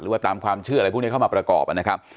ว่าตามความเชื่ออะไรพวกนี้เข้ามาประกอบนะครับ